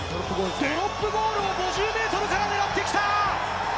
ドロップゴールを５０メートルから狙ってきた。